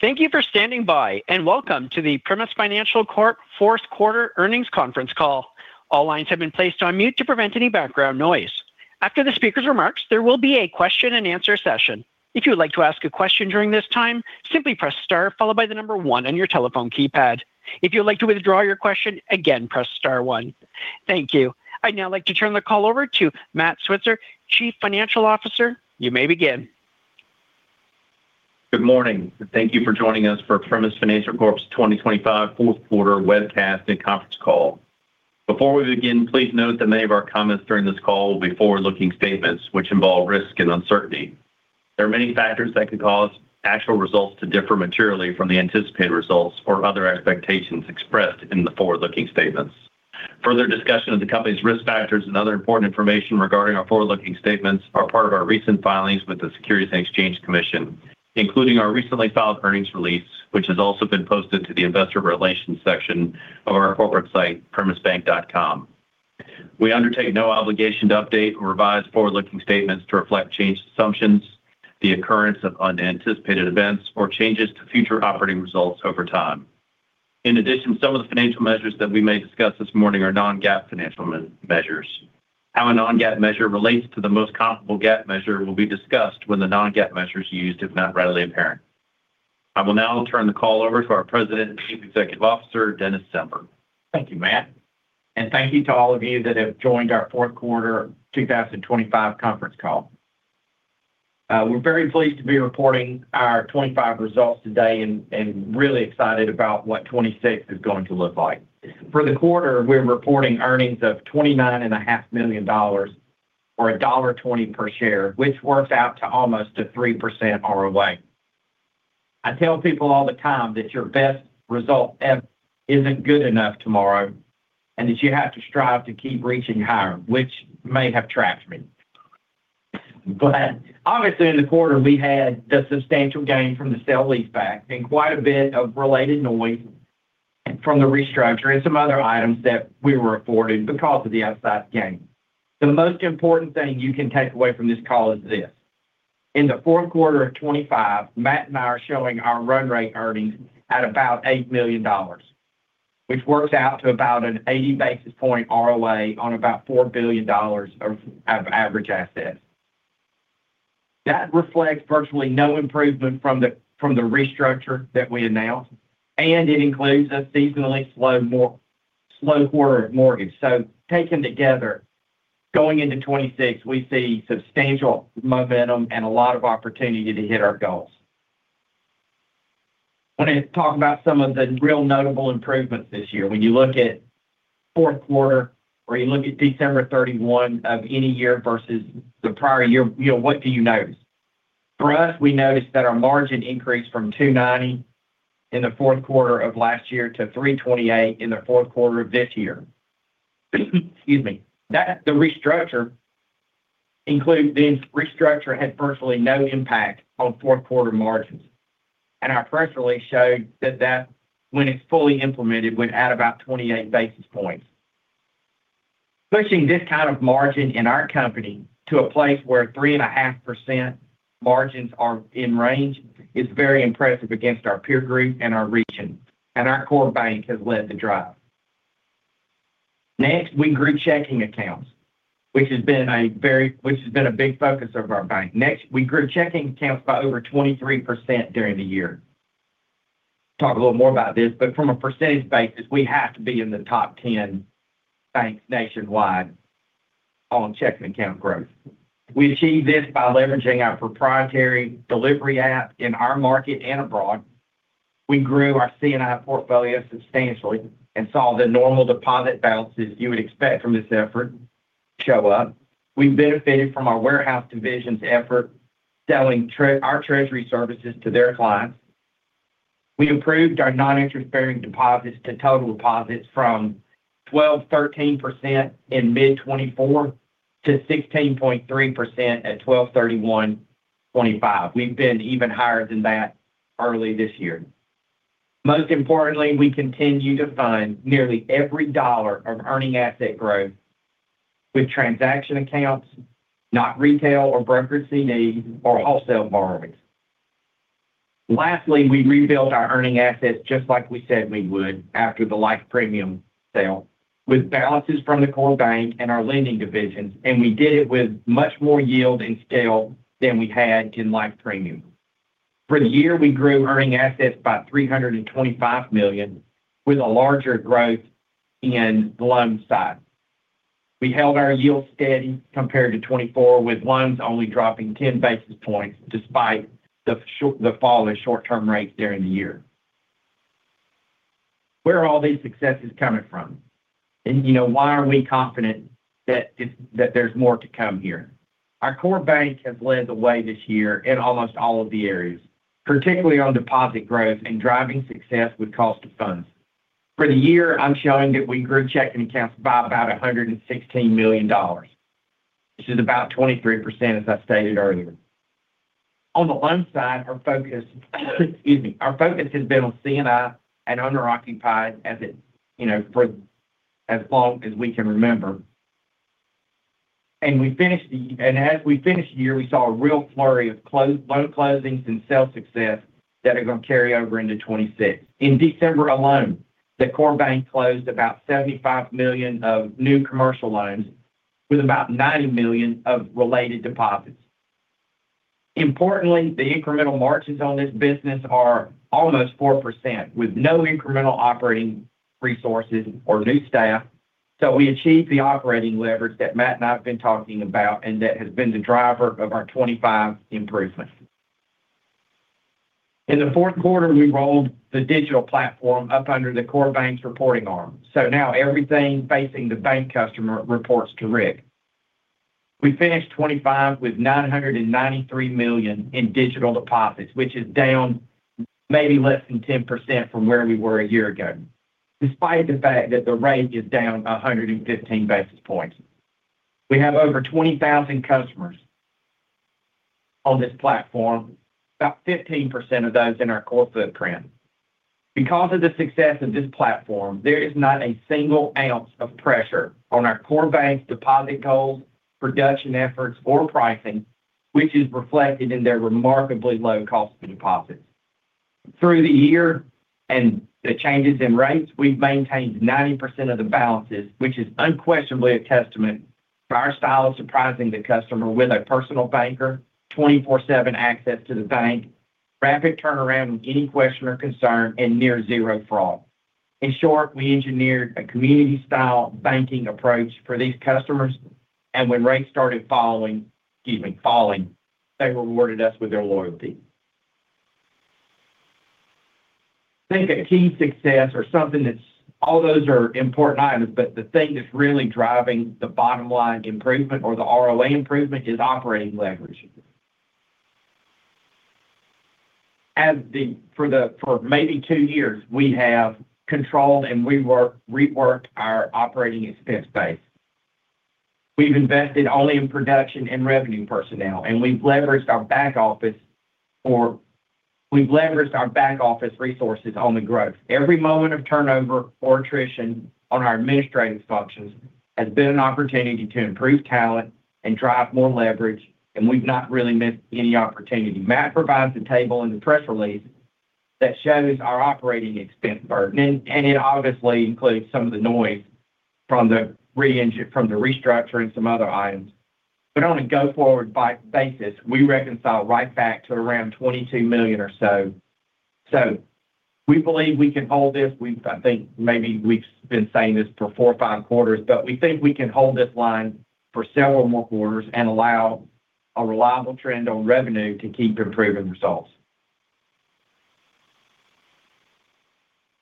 Thank you for standing by, and welcome to the Primis Financial Corp. fourth quarter earnings conference call. All lines have been placed on mute to prevent any background noise. After the speaker's remarks, there will be a question and answer session. If you would like to ask a question during this time, simply press star followed by the number one on your telephone keypad. If you'd like to withdraw your question, again, press star one. Thank you. I'd now like to turn the call over to Matt Switzer, Chief Financial Officer. You may begin. Good morning, and thank you for joining us for Primis Financial Corp.'s 2025 fourth quarter webcast and conference call. Before we begin, please note that many of our comments during this call will be forward-looking statements, which involve risk and uncertainty. There are many factors that could cause actual results to differ materially from the anticipated results or other expectations expressed in the forward-looking statements. Further discussion of the company's risk factors and other important information regarding our forward-looking statements are part of our recent filings with the Securities and Exchange Commission, including our recently filed earnings release, which has also been posted to the investor relations section of our corporate site, primisbank.com. We undertake no obligation to update or revise forward-looking statements to reflect changed assumptions, the occurrence of unanticipated events, or changes to future operating results over time. In addition, some of the financial measures that we may discuss this morning are non-GAAP financial measures. How a non-GAAP measure relates to the most comparable GAAP measure will be discussed when the non-GAAP measure is used, if not readily apparent. I will now turn the call over to our President and Chief Executive Officer, Dennis Zember. Thank you, Matt, and thank you to all of you that have joined our fourth quarter 2025 conference call. We're very pleased to be reporting our 2025 results today and really excited about what 2026 is going to look like. For the quarter, we're reporting earnings of $29.5 million, or $1.20 per share, which works out to almost 3% ROA. I tell people all the time that your best result ever isn't good enough tomorrow, and that you have to strive to keep reaching higher, which may have trapped me. But obviously, in the quarter, we had the substantial gain from the sale-leaseback and quite a bit of related noise from the restructure and some other items that we were afforded because of the outsized gain. The most important thing you can take away from this call is this: in the fourth quarter of 2025, Matt and I are showing our run rate earnings at about $8 million, which works out to about an 80 basis points ROA on about $4 billion of average assets. That reflects virtually no improvement from the restructure that we announced, and it includes a seasonally slow quarter of mortgage. So taken together, going into 2026, we see substantial momentum and a lot of opportunity to hit our goals. I want to talk about some of the real notable improvements this year. When you look at fourth quarter, or you look at December 31 of any year versus the prior year, you know, what do you notice? For us, we noticed that our margin increased from 2.90% in the fourth quarter of last year to 3.28% in the fourth quarter of this year. Excuse me. That the restructure had virtually no impact on fourth quarter margins, and our press release showed that when it's fully implemented, would add about 28 basis points. Pushing this kind of margin in our company to a place where 3.5% margins are in range is very impressive against our peer group and our region, and our core bank has led the drive. Next, we grew checking accounts, which has been a big focus of our bank. Next, we grew checking accounts by over 23% during the year. Talk a little more about this, but from a percentage basis, we have to be in the top 10 banks nationwide on checking account growth. We achieved this by leveraging our proprietary delivery app in our market and abroad. We grew our C&I portfolio substantially and saw the normal deposit balances you would expect from this effort show up. We benefited from our Warehouse divisions effort, selling our treasury services to their clients. We improved our non-interest-bearing deposits to total deposits from 12%-13% in mid-2024 to 16.3% at 12/31/2025. We've been even higher than that early this year. Most importantly, we continue to fund nearly every dollar of earning asset growth with transaction accounts, not retail or brokerage needs or wholesale borrowings. Lastly, we rebuilt our earning assets, just like we said we would, after the Life Premium sale, with balances from the core bank and our lending divisions, and we did it with much more yield and scale than we had in Life Premium. For the year, we grew earning assets by $325 million, with a larger growth in the loan side. We held our yield steady compared to 2024, with loans only dropping 10 basis points despite the fall in short-term rates during the year. Where are all these successes coming from? And, you know, why are we confident that there's more to come here? Our core bank has led the way this year in almost all of the areas, particularly on deposit growth and driving success with cost of funds. For the year, I'm showing that we grew checking accounts by about $116 million, which is about 23%, as I stated earlier. On the loan side, our focus, excuse me, our focus has been on C&I and owner-occupied, as it, you know, for as long as we can remember. And we finished, and as we finished the year, we saw a real flurry of close, loan closings and sales success that are going to carry over into 2026. In December alone, the core bank closed about $75 million of new commercial loans, with about $90 million of related deposits. Importantly, the incremental margins on this business are almost 4%, with no incremental operating resources or new staff. So we achieved the operating leverage that Matt and I have been talking about, and that has been the driver of our 2025 improvements. In the fourth quarter, we rolled the digital platform up under the core bank's reporting arm. So now everything facing the bank customer reports to Rick. We finished 2025 with $993 million in digital deposits, which is down maybe less than 10% from where we were a year ago, despite the fact that the rate is down 115 basis points. We have over 20,000 customers on this platform, about 15% of those in our core footprint. Because of the success of this platform, there is not a single ounce of pressure on our core bank's deposit goals, production efforts, or pricing, which is reflected in their remarkably low cost of deposits. Through the year and the changes in rates, we've maintained 90% of the balances, which is unquestionably a testament to our style of surprising the customer with a personal banker, twenty-four-seven access to the bank, rapid turnaround on any question or concern, and near zero fraud. In short, we engineered a community-style banking approach for these customers, and when rates started falling, excuse me, falling, they rewarded us with their loyalty. I think a key success or something that's... All those are important items, but the thing that's really driving the bottom line improvement or the ROA improvement is operating leverage. For maybe two years, we have controlled and reworked our operating expense base. We've invested only in production and revenue personnel, and we've leveraged our back office, or we've leveraged our back office resources on the growth. Every moment of turnover or attrition on our administrative functions has been an opportunity to improve talent and drive more leverage, and we've not really missed any opportunity. Matt provides a table in the press release that shows our operating expense burden, and it obviously includes some of the noise from the restructure and some other items. But on a go-forward basis, we reconcile right back to around $22 million or so. So we believe we can hold this. We've I think maybe we've been saying this for four or five quarters, but we think we can hold this line for several more quarters and allow a reliable trend on revenue to keep improving results.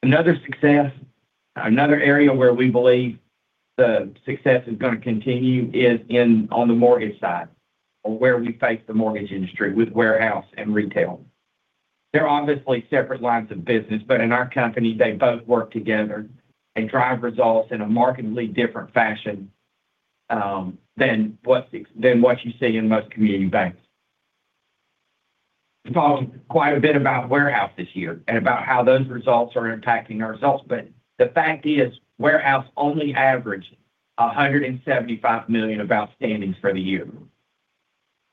Another success, another area where we believe the success is going to continue is in on the mortgage side or where we face the mortgage industry with warehouse and retail. They're obviously separate lines of business, but in our company, they both work together and drive results in a markedly different fashion than what you see in most community banks. We've talked quite a bit about warehouse this year and about how those results are impacting our results, but the fact is, warehouse only averaged $175 million of outstandings for the year.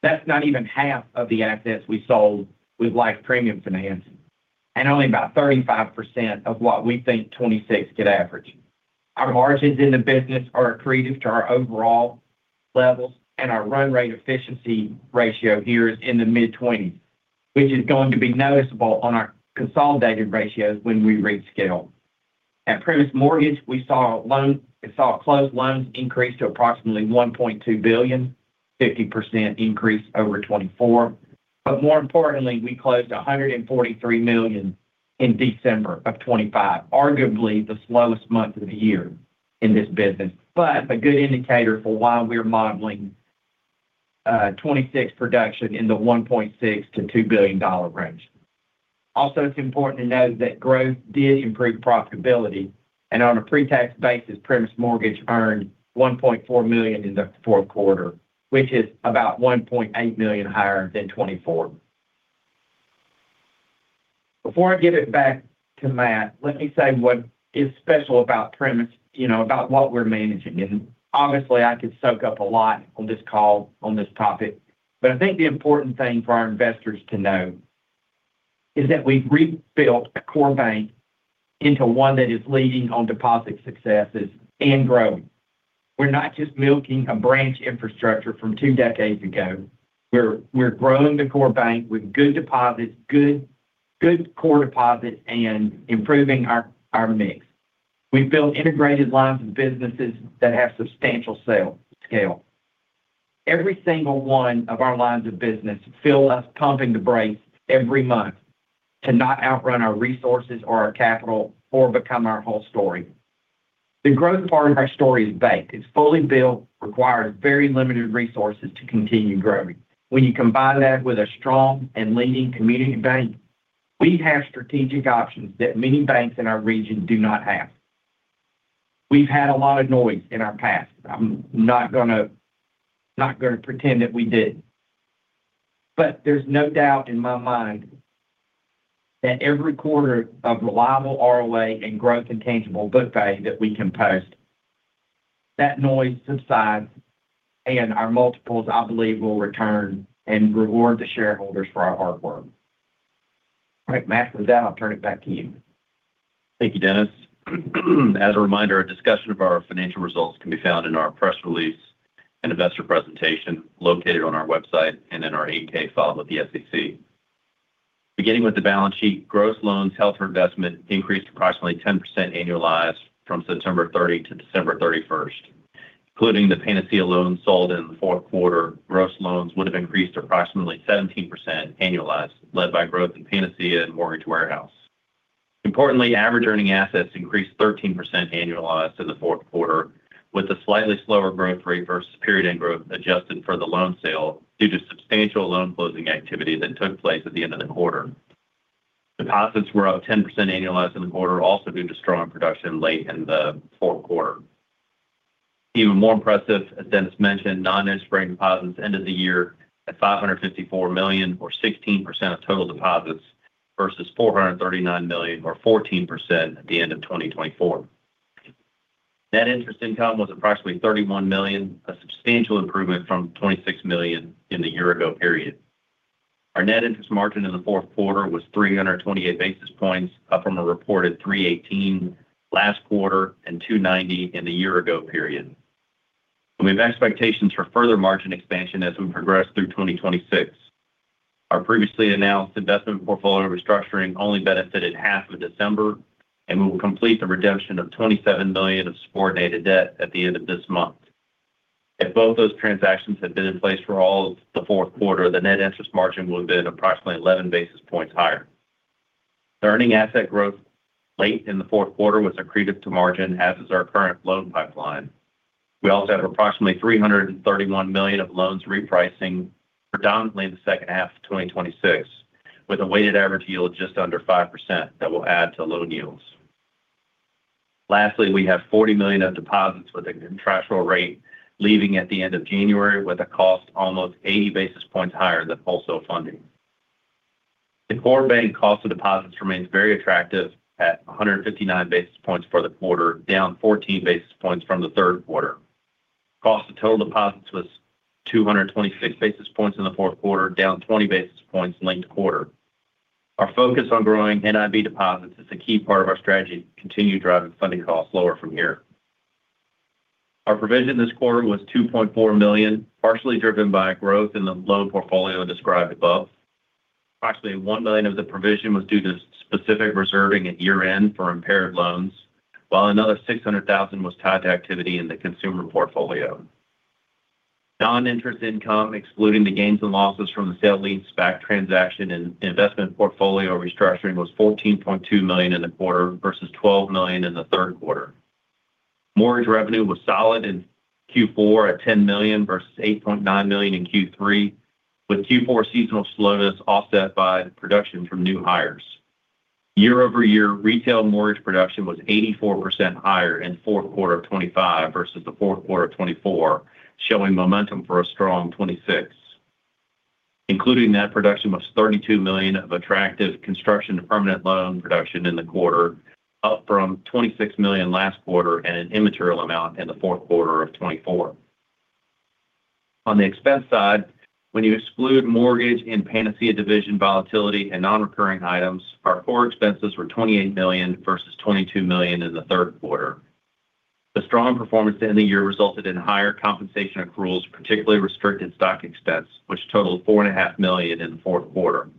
That's not even half of the assets we sold with Life Premium financing, and only about 35% of what we think 2026 could average. Our margins in the business are accretive to our overall levels, and our run rate efficiency ratio here is in the mid-20s, which is going to be noticeable on our consolidated ratios when we rescale. At Primis Mortgage, we saw loans, we saw closed loans increase to approximately $1.2 billion, 50% increase over 2024. But more importantly, we closed $143 million in December of 2025, arguably the slowest month of the year in this business, but a good indicator for why we're modeling 2026 production in the $1.6 billion to $2 billion range. Also, it's important to note that growth did improve profitability, and on a pre-tax basis, Primis Mortgage earned $1.4 million in the fourth quarter, which is about $1.8 million higher than 2024. Before I give it back to Matt, let me say what is special about Primis, you know, about what we're managing. Obviously, I could soak up a lot on this call on this topic, but I think the important thing for our investors to know is that we've rebuilt a core bank into one that is leading on deposit successes and growing. We're not just milking a branch infrastructure from two decades ago, we're, we're growing the core bank with good deposits, good, good core deposit, and improving our, our mix. We've built integrated lines of businesses that have substantial sale scale. Every single one of our lines of business fill us pumping the brakes every month to not outrun our resources or our capital or become our whole story. The growth part of our story is bank. It's fully built, requires very limited resources to continue growing. When you combine that with a strong and leading community bank, we have strategic options that many banks in our region do not have. We've had a lot of noise in our past. I'm not gonna, not gonna pretend that we didn't... but there's no doubt in my mind that every quarter of reliable ROA and growth in tangible book value that we can post, that noise subsides, and our multiples, I believe, will return and reward the shareholders for our hard work. All right, Matt, with that, I'll turn it back to you. Thank you, Dennis. As a reminder, a discussion of our financial results can be found in our press release and investor presentation located on our website and in our 8-K filed with the SEC. Beginning with the balance sheet, gross loans held for investment increased approximately 10% annualized from September 30 to December 31st. Including the Panacea loan sold in the fourth quarter, gross loans would have increased approximately 17% annualized, led by growth in Panacea and Mortgage Warehouse. Importantly, average earning assets increased 13% annualized in the fourth quarter, with a slightly slower growth rate versus period-end growth, adjusted for the loan sale due to substantial loan closing activity that took place at the end of the quarter. Deposits were up 10% annualized in the quarter, also due to strong production late in the fourth quarter. Even more impressive, as Dennis mentioned, non-interest-bearing deposits ended the year at $554 million, or 16% of total deposits, versus $439 million or 14% at the end of 2024. Net interest income was approximately $31 million, a substantial improvement from $26 million in the year ago period. Our net interest margin in the fourth quarter was 328 basis points, up from the reported 318 last quarter and 290 in the year ago period. We have expectations for further margin expansion as we progress through 2026. Our previously announced investment portfolio restructuring only benefited half of December, and we will complete the redemption of $27 million of subordinated debt at the end of this month. If both those transactions had been in place for all of the fourth quarter, the net interest margin would have been approximately 11 basis points higher. The earning asset growth late in the fourth quarter was accretive to margin, as is our current loan pipeline. We also have approximately $331 million of loans repricing predominantly in the second half of 2026, with a weighted average yield of just under 5% that will add to loan yields. Lastly, we have $40 million of deposits with a contractual rate, leaving at the end of January with a cost almost 80 basis points higher than wholesale funding. The core bank cost of deposits remains very attractive at 159 basis points for the quarter, down 14 basis points from the third quarter. Cost of total deposits was 226 basis points in the fourth quarter, down 20 basis points linked quarter. Our focus on growing NIB deposits is a key part of our strategy to continue driving funding costs lower from here. Our provision this quarter was $2.4 million, partially driven by a growth in the loan portfolio described above. Approximately $1 million of the provision was due to specific reserving at year-end for impaired loans, while another $600,000 was tied to activity in the consumer portfolio. Non-interest income, excluding the gains and losses from the sale-leaseback transaction and investment portfolio restructuring, was $14.2 million in the quarter versus $12 million in the third quarter. Mortgage revenue was solid in Q4 at $10 million versus $8.9 million in Q3, with Q4 seasonal slowness offset by production from new hires. Year-over-year, retail mortgage production was 84% higher in fourth quarter of 2025 versus the fourth quarter of 2024, showing momentum for a strong 2026. Including that production was $32 million of attractive construction to permanent loan production in the quarter, up from $26 million last quarter and an immaterial amount in the fourth quarter of 2024. On the expense side, when you exclude mortgage and Panacea division volatility and non-recurring items, our core expenses were $28 million versus $22 million in the third quarter. The strong performance end of the year resulted in higher compensation accruals, particularly restricted stock expense, which totaled $4.5 million in the fourth quarter.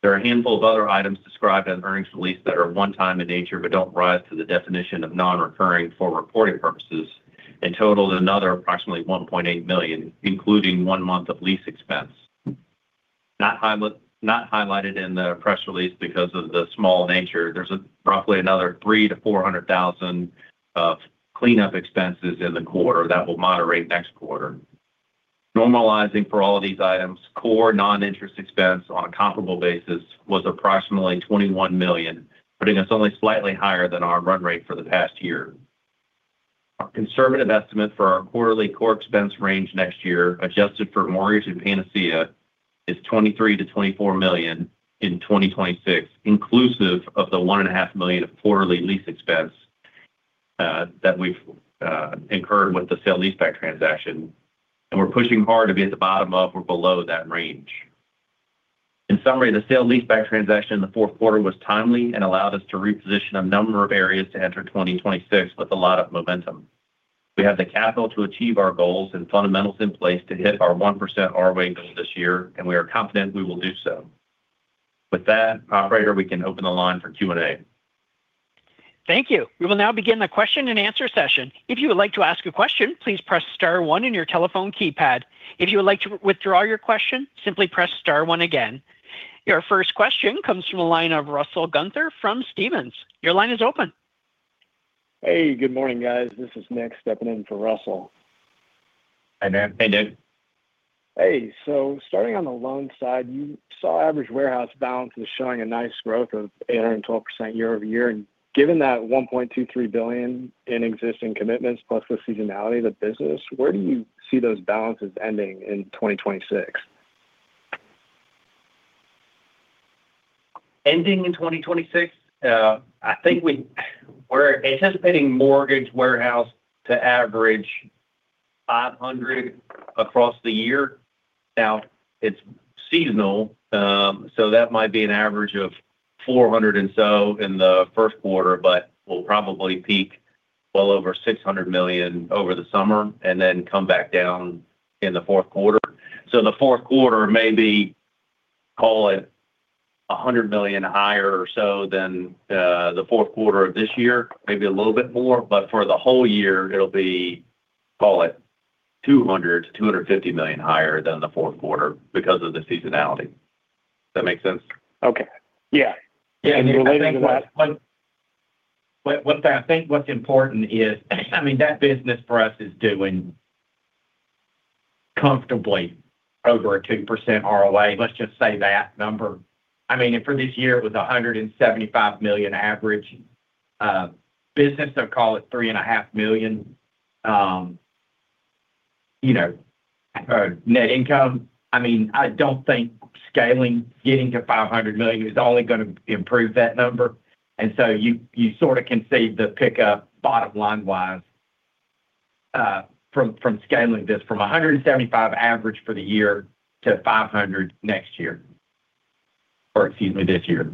There are a handful of other items described as earnings release that are one-time in nature, but don't rise to the definition of non-recurring for reporting purposes, and totaled another approximately $1.8 million, including one month of lease expense. Not highlighted in the press release because of the small nature, there's roughly another $300,000 to $400,000 of cleanup expenses in the quarter that will moderate next quarter. Normalizing for all of these items, core non-interest expense on a comparable basis was approximately $21 million, putting us only slightly higher than our run rate for the past year. Our conservative estimate for our quarterly core expense range next year, adjusted for mortgage and Panacea, is $23 million to $24 million in 2026, inclusive of the $1.5 million of quarterly lease expense that we've incurred with the sale-leaseback transaction, and we're pushing hard to be at the bottom of or below that range. In summary, the sale-leaseback transaction in the fourth quarter was timely and allowed us to reposition a number of areas to enter 2026 with a lot of momentum. We have the capital to achieve our goals and fundamentals in place to hit our 1% ROA goal this year, and we are confident we will do so. With that, Operator, we can open the line for Q&A. Thank you. We will now begin the question and answer session. If you would like to ask a question, please press star one in your telephone keypad. If you would like to withdraw your question, simply press star one again. Your first question comes from the line of Russell Gunther from Stephens. Your line is open. Hey, good morning, guys. This is Nick stepping in for Russell. Hi, Nick. Hey, Nick. Hey, so starting on the loan side, you saw average warehouse balances showing a nice growth of 812% year-over-year. And given that $1.23 billion in existing commitments plus the seasonality of the business, where do you see those balances ending in 2026?... ending in 2026, I think we're anticipating mortgage warehouse to average $500 million across the year. Now, it's seasonal, so that might be an average of $400 million or so in the first quarter, but we'll probably peak well over $600 million over the summer and then come back down in the fourth quarter. So the fourth quarter, maybe call it $100 million higher or so than the fourth quarter of this year, maybe a little bit more. But for the whole year, it'll be, call it $200 million to $250 million higher than the fourth quarter because of the seasonality. Does that make sense? Okay. Yeah. Yeah, and I think what's important is, I mean, that business for us is doing comfortably over 2% ROA. Let's just say that number. I mean, for this year, it was $175 million average, business. So call it $3.5 million, you know, net income. I mean, I don't think scaling, getting to $500 million is only gonna improve that number. And so you, you sort of can see the pickup bottom line-wise, from, from scaling this from a $175 million average for the year to $500 million next year, or excuse me, this year.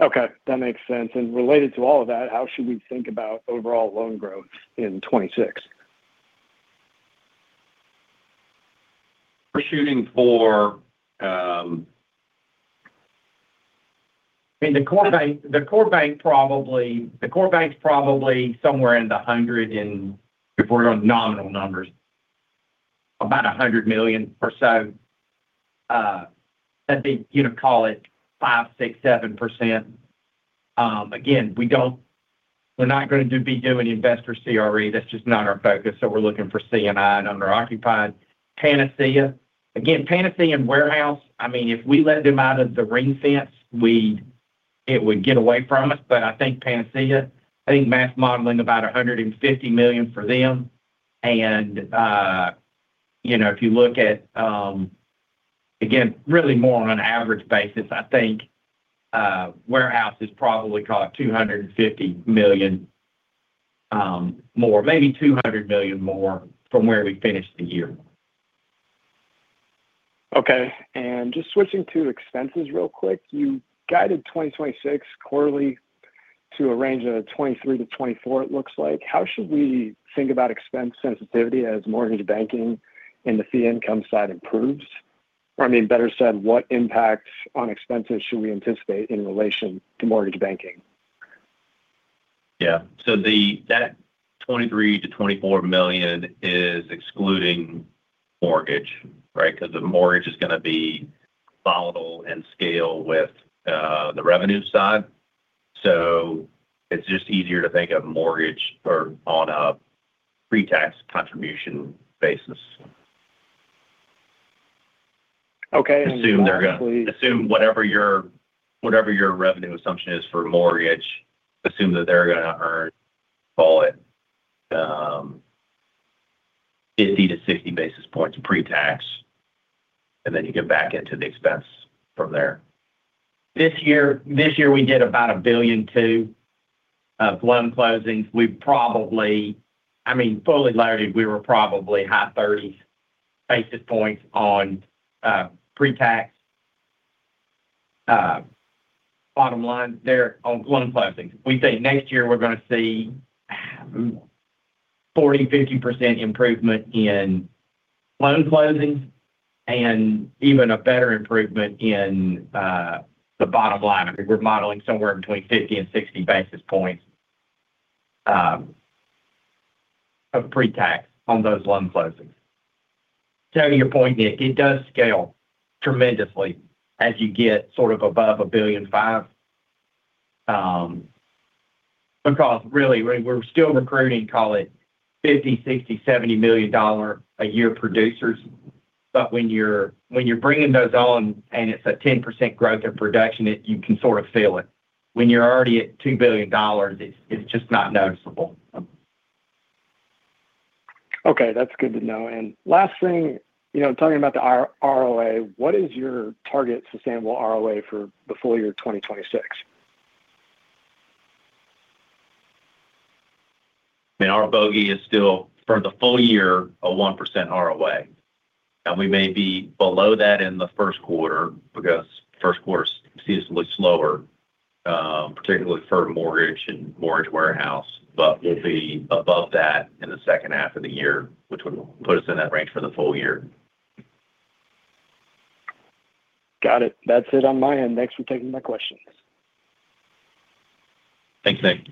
Okay, that makes sense. And related to all of that, how should we think about overall loan growth in 2026? We're shooting for, in the core bank. The core bank, probably. The core bank's probably somewhere in the 100 and, if we're on nominal numbers, about $100 million or so, I think, you know, call it 5% to 7%. Again, we're not going to be doing investor CRE. That's just not our focus, so we're looking for C&I and owner-occupied Panacea. Again, Panacea and Warehouse, I mean, if we let them out of the ring fence, it would get away from us. But I think Panacea, I think our modeling about $150 million for them. And, you know, if you look at, again, really more on an average basis, I think, Warehouse is probably, call it $250 million, more, maybe $200 million more from where we finished the year. Okay. And just switching to expenses real quick. You guided 2026 quarterly to a range of $23 to $24 it looks like. How should we think about expense sensitivity as mortgage banking and the fee income side improves? I mean, better said, what impact on expenses should we anticipate in relation to mortgage banking? Yeah. So that $23 million to $24 million is excluding mortgage, right? Because the mortgage is gonna be volatile and scale with the revenue side. So it's just easier to think of mortgage or on a pre-tax contribution basis. Okay. Assume they're gonna assume whatever your, whatever your revenue assumption is for mortgage, assume that they're gonna earn, call it, 50 to 60 basis points pre-tax, and then you get back into the expense from there. This year, this year, we did about $1.2 billion of loan closings. We probably, I mean, fully layered, we were probably high 30s basis points on pre-tax bottom line there on loan closings. We think next year we're gonna see 40% to 50% improvement in loan closings and even a better improvement in the bottom line. I think we're modeling somewhere between 50 and 60 basis points of pre-tax on those loan closings. To your point, Nick, it does scale tremendously as you get sort of above $1.5 billion. Because really, we're still recruiting, call it $50, $60, $70 million a year producers. But when you're bringing those on and it's a 10% growth in production, you can sort of feel it. When you're already at $2 billion, it's just not noticeable. Okay. That's good to know. And last thing, you know, telling about the ROA, what is your target sustainable ROA for the full year 2026? I mean, our bogey is still for the full year, a 1% ROA, and we may be below that in the first quarter because first quarter is seasonally slower, particularly for mortgage and mortgage warehouse. But we'll be above that in the second half of the year, which would put us in that range for the full year. Got it. That's it on my end. Thanks for taking my questions. Thanks, Nick.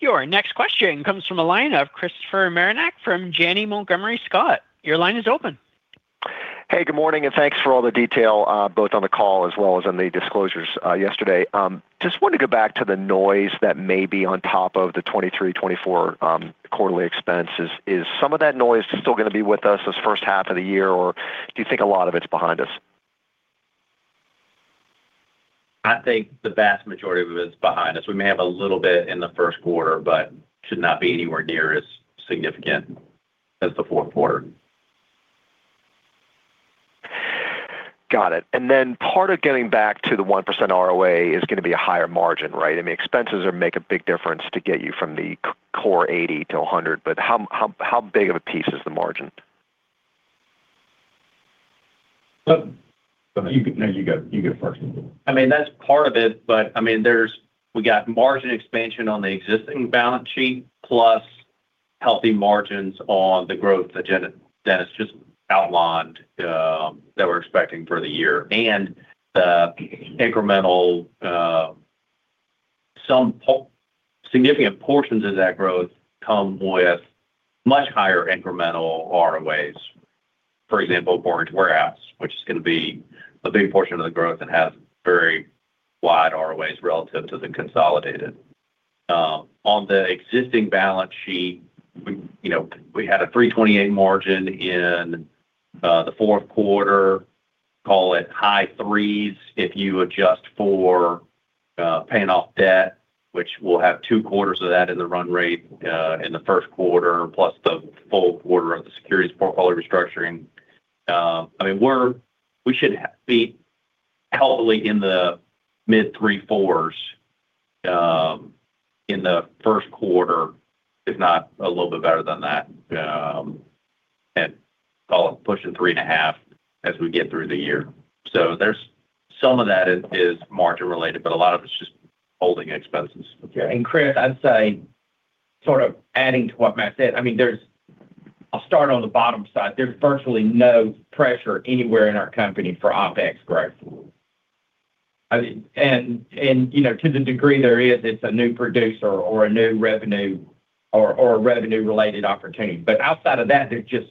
Yep. Your next question comes from a line of Christopher Marinac from Janney Montgomery Scott. Your line is open. Hey, good morning, and thanks for all the detail both on the call as well as on the disclosures yesterday. Just want to go back to the noise that may be on top of the 2023-2024 quarterly expenses. Is some of that noise still gonna be with us this first half of the year, or do you think a lot of it's behind us? ... I think the vast majority of it is behind us. We may have a little bit in the first quarter, but should not be anywhere near as significant as the fourth quarter. Got it. And then part of getting back to the 1% ROA is going to be a higher margin, right? I mean, expenses are make a big difference to get you from the core 80 to 100, but how, how, how big of a piece is the margin? Well- You go. No, you go, you go first. I mean, that's part of it, but I mean, there's we got margin expansion on the existing balance sheet, plus healthy margins on the growth that Dennis just outlined, that we're expecting for the year. And the incremental, significant portions of that growth come with much higher incremental ROAs. For example, Mortgage Warehouse, which is going to be a big portion of the growth and has very wide ROAs relative to the consolidated. On the existing balance sheet, you know, we had a 3.28 margin in the fourth quarter. Call it high 3s, if you adjust for paying off debt, which we'll have 2 quarters of that in the run rate in the first quarter, plus the full quarter of the securities portfolio restructuring. I mean, we should be healthily in the mid-3.4s in the first quarter, if not a little bit better than that, and call it pushing 3.5 as we get through the year. So there's some of that is margin related, but a lot of it's just holding expenses. Okay. Chris, I'd say, sort of adding to what Matt said, I mean, I'll start on the bottom side. There's virtually no pressure anywhere in our company for OpEx growth. I mean, you know, to the degree there is, it's a new producer or a new revenue or a revenue-related opportunity, but outside of that, there's just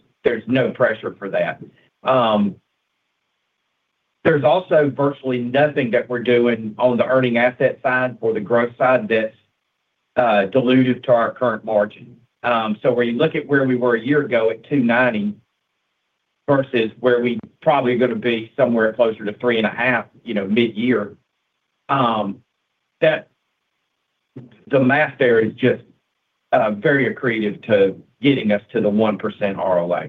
no pressure for that. There's also virtually nothing that we're doing on the earning asset side or the growth side that's dilutive to our current margin. So when you look at where we were a year ago at 2.90% versus where we probably going to be somewhere closer to 3.5%, you know, mid-year, the math there is just very accretive to getting us to the 1% ROA.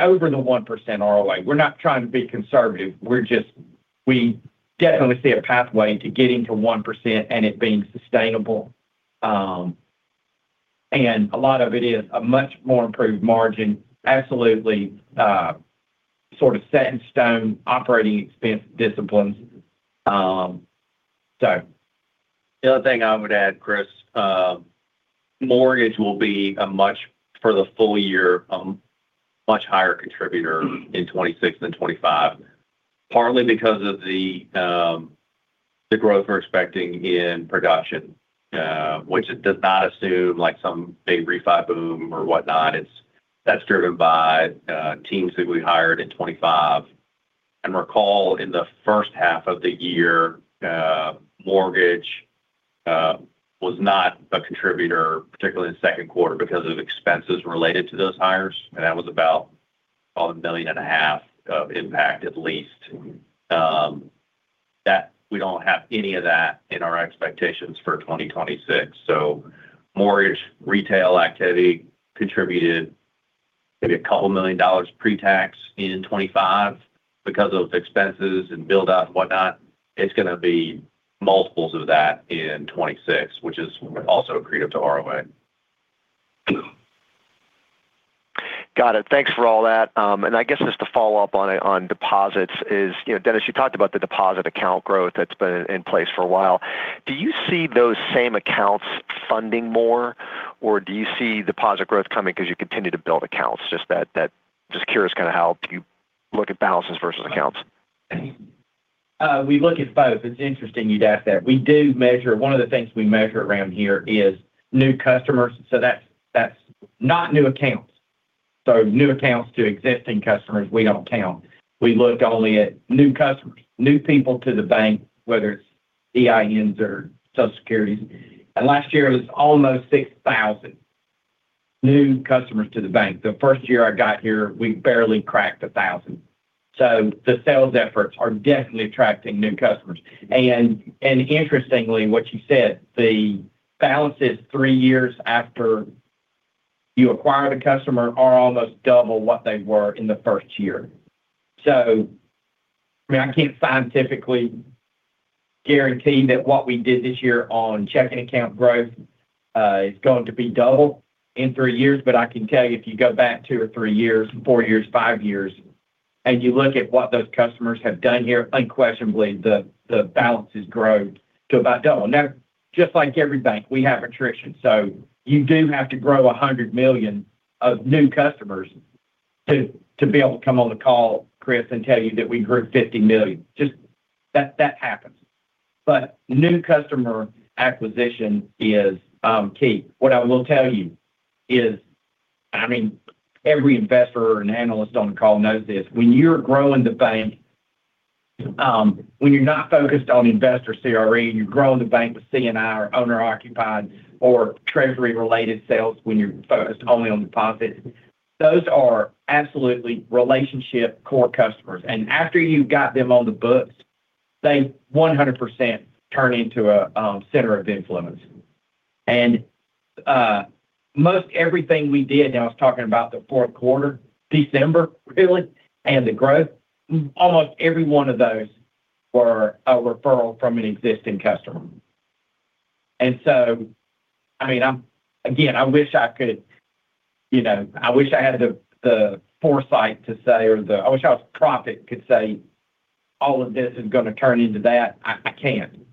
Over the 1% ROA, we're not trying to be conservative. We're just we definitely see a pathway to getting to 1% and it being sustainable. A lot of it is a much more improved margin. Absolutely, sort of set in stone operating expense disciplines. The other thing I would add, Chris, mortgage will be a much for the full year, much higher contributor in 2026 than 2025. Partly because of the growth we're expecting in production, which it does not assume like some big refi boom or whatnot. That's driven by teams that we hired in 2025. And recall, in the first half of the year, mortgage was not a contributor, particularly in the second quarter, because of expenses related to those hires, and that was about $1.5 million of impact, at least. That we don't have any of that in our expectations for 2026. So mortgage retail activity contributed maybe $2 million pre-tax in 2025 because of expenses and build out and whatnot. It's going to be multiples of that in 2026, which is also accretive to ROA. Got it. Thanks for all that. I guess just to follow up on it, on deposits is, you know, Dennis, you talked about the deposit account growth that's been in place for a while. Do you see those same accounts funding more, or do you see deposit growth coming because you continue to build accounts? Just that, just curious kind of how you look at balances versus accounts. We look at both. It's interesting you'd ask that. We do measure. One of the things we measure around here is new customers. So that's not new accounts. So new accounts to existing customers, we don't count. We look only at new customers, new people to the bank, whether it's EINs or Social Securities. And last year, it was almost 6,000 new customers to the bank. The first year I got here, we barely cracked 1,000. So the sales efforts are definitely attracting new customers. And interestingly, what you said, the balances three years after you acquire the customer are almost double what they were in the first year. So, I mean, I can't scientifically guarantee that what we did this year on checking account growth is going to be double in three years. But I can tell you, if you go back two or three years, four years, five years, and you look at what those customers have done here, unquestionably, the balances grow to about double. Now, just like every bank, we have attrition, so you do have to grow $100 million of new customers to be able to come on the call, Chris, and tell you that we grew $50 million. Just that happens. But new customer acquisition is key. What I will tell you is, I mean, every investor and analyst on the call knows this: when you're growing the bank, when you're not focused on investor CRE, and you're growing the bank with C&I or owner-occupied or treasury-related sales, when you're focused only on deposits, those are absolutely relationship core customers. After you've got them on the books, they 100% turn into a center of influence. Most everything we did, now I was talking about the fourth quarter, December, really, and the growth, almost every one of those were a referral from an existing customer. So, I mean, again, I wish I could, you know, I wish I had the foresight to say. I wish I was a prophet, could say all of this is gonna turn into that. I can't.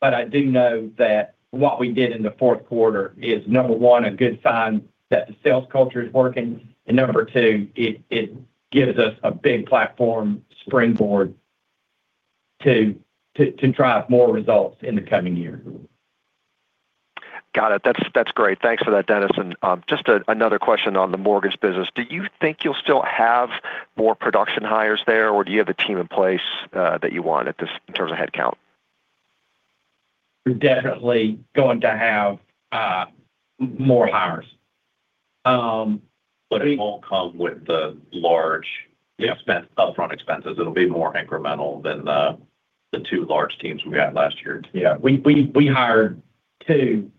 But I do know that what we did in the fourth quarter is, number one, a good sign that the sales culture is working, and number two, it gives us a big platform springboard to drive more results in the coming year. Got it. That's, that's great. Thanks for that, Dennis. And, just a, another question on the mortgage business. Do you think you'll still have more production hires there, or do you have a team in place, that you want at this in terms of headcount? We're definitely going to have more hires. But- But it won't come with the large- Yeah -expense, upfront expenses. It'll be more incremental than the two large teams we had last year. Yeah. We hired two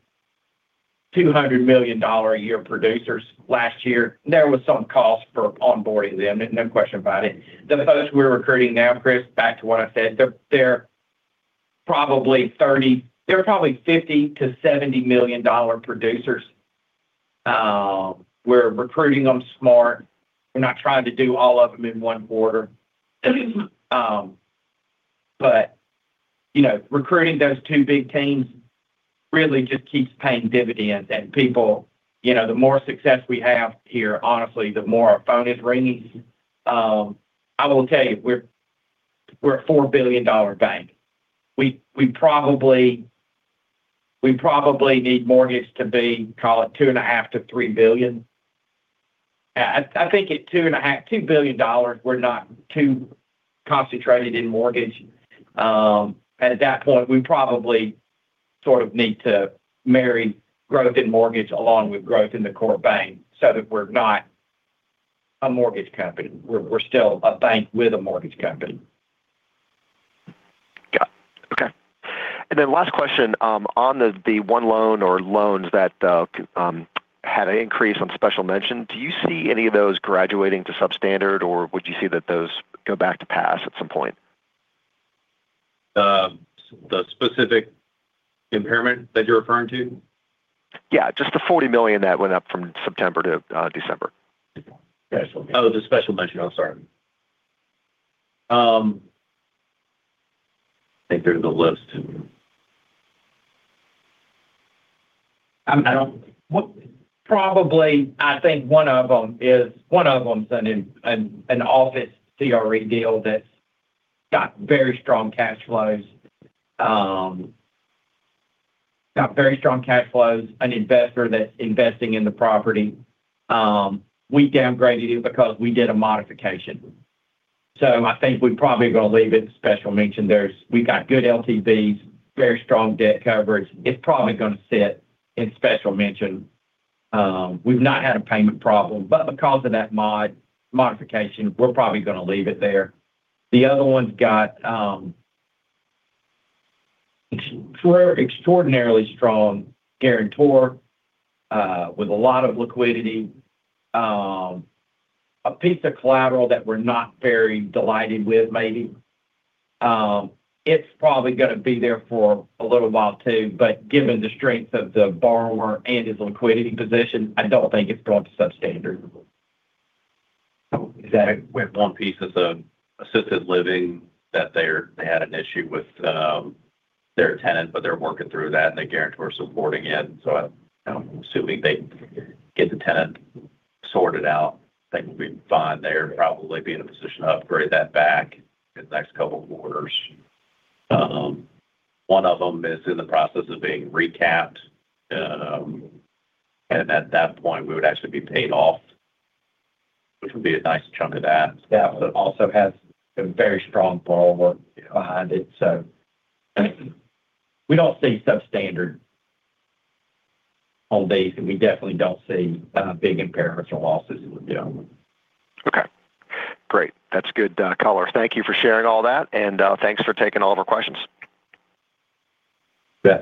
$200 million-a-year producers last year. There was some cost for onboarding them, no question about it. The folks we're recruiting now, Chris, back to what I said, they're probably $50-$70 million producers. We're recruiting them smart. We're not trying to do all of them in one quarter. But, you know, recruiting those two big teams really just keeps paying dividends. And people... You know, the more success we have here, honestly, the more our phone is ringing. I will tell you, we're a $4 billion bank. We probably need mortgage to be, call it, $2.5 billion to $3 billion. I think at $2 billion dollars, we're not too concentrated in mortgage. At that point, we probably sort of need to marry growth in mortgage along with growth in the core bank, so that we're not a mortgage company. We're still a bank with a mortgage company. Got it. Okay. And then last question, on the one loan or loans that had an increase on Special Mention, do you see any of those graduating to Substandard, or would you see that those go back to Pass at some point? The specific impairment that you're referring to? Yeah, just the $40 million that went up from September to December. Yeah. Oh, the special mention. I'm sorry. I think there's a list. Probably, I think one of them is one of them is an office CRE deal that's got very strong cash flows, got very strong cash flows, an investor that's investing in the property. We downgraded it because we did a modification. So I think we're probably gonna leave it as special mention. We've got good LTVs, very strong debt coverage. It's probably gonna sit in special mention. We've not had a payment problem, but because of that modification, we're probably gonna leave it there. The other one's got extraordinarily strong guarantor with a lot of liquidity, a piece of collateral that we're not very delighted with, maybe. It's probably gonna be there for a little while, too, but given the strength of the borrower and his liquidity position, I don't think it's going to substandard. We have one piece that's an assisted living, that they had an issue with their tenant, but they're working through that, and the guarantor is supporting it. So I'm assuming they get the tenant sorted out, things will be fine. They'll probably be in a position to upgrade that back in the next couple of quarters. One of them is in the process of being recapped. And at that point, we would actually be paid off, which would be a nice chunk of that. Yeah. But it also has a very strong borrower behind it. So we don't see substandard on dates, and we definitely don't see big impairments or losses. Yeah. Okay. Great. That's good, color. Thank you for sharing all that, and thanks for taking all of our questions. Yeah.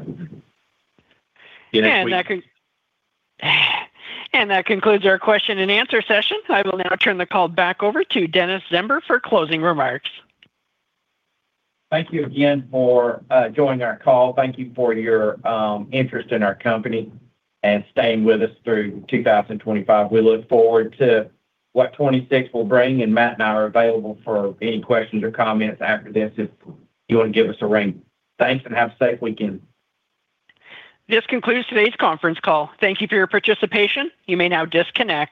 That concludes our question and answer session. I will now turn the call back over to Dennis Zember for closing remarks. Thank you again for joining our call. Thank you for your interest in our company and staying with us through 2025. We look forward to what 2026 will bring, and Matt and I are available for any questions or comments after this if you want to give us a ring. Thanks, and have a safe weekend. This concludes today's conference call. Thank you for your participation. You may now disconnect.